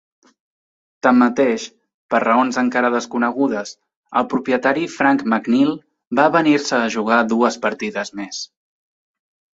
Tanmateix, per raons encara desconegudes, el propietari Frank McNeil va avenir-se a jugar dues partides més.